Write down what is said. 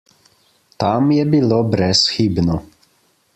Tam je bilo brezhibno.